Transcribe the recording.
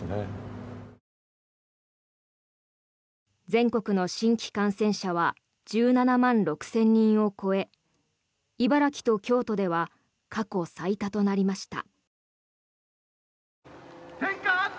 全国の新規感染者は１７万６０００人を超え茨城と京都では過去最多となりました。